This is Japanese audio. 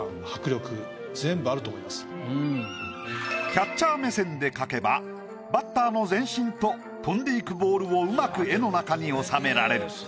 キャッチャー目線で描けばバッターの全身と飛んでいくボールをうまく絵の中に収められる。